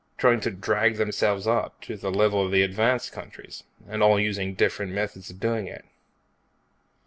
Trying to drag themselves up to the level of the advanced countries, and all using different methods of doing it.